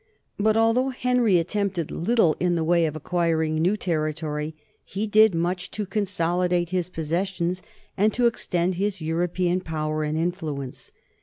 But although Henry attempted little in the way of acquiring new territory, he did much to consolidate his possessions and to extend his European power and influence.